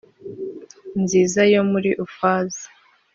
Nziza yo muri ufazi